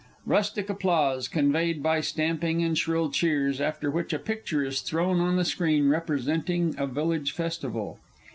(_Rustic applause, conveyed by stamping and shrill cheers, after which a picture is thrown on the screen representing a Village Festival.